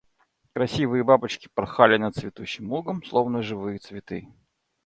Красивые бабочки порхали над цветущим лугом, словно живые цветы.